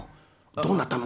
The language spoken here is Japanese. どうなったの？